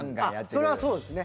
それはそうですね。